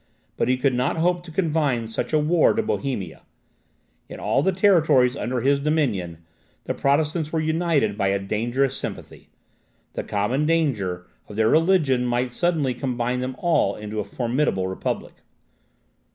But he could not hope to confine such a war to Bohemia. In all the territories under his dominion, the Protestants were united by a dangerous sympathy the common danger of their religion might suddenly combine them all into a formidable republic.